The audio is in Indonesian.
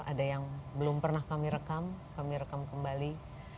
ada yang belum pernah kami rekam kami rekam kembali